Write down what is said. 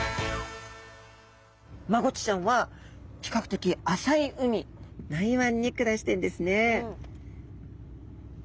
マゴチちゃんは比較的浅い海内湾に暮らしているんですね。